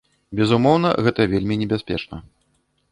Безумоўна, гэта вельмі небяспечна.